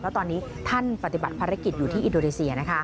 เพราะตอนนี้ท่านปฏิบัติภารกิจอยู่ที่อินโดนีเซีย